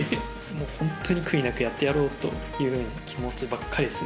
本当に悔いなくやってやろうという気持ちばっかりですね